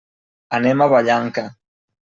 Anem a Vallanca.